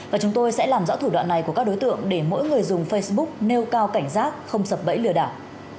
và chúng tôi sẽ làm rõ thủ đoạn này của các đối tượng để mỗi người dùng facebook nêu cao cảnh giác không sập bẫy lừa đảo